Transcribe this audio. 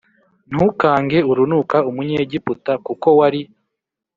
ntukange urunuka Umunyegiputa kuko wari